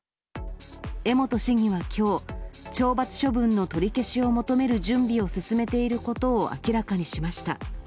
江本市議はきょう、懲罰処分の取り消しを求める準備を進めていることを明らかにしました。